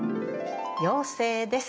「妖精」です。